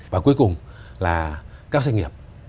và cuối cùng là các doanh nghiệp